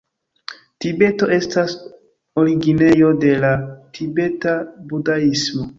Tibeto estas originejo de la tibeta budaismo.